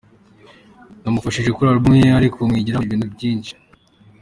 Namufashije kuri album ye ariko mwigiraho ibintu byinshi.